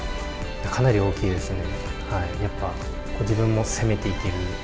かなり大きいですね。